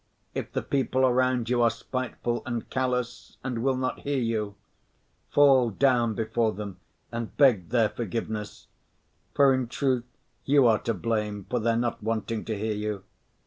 If the people around you are spiteful and callous and will not hear you, fall down before them and beg their forgiveness; for in truth you are to blame for their not wanting to hear you.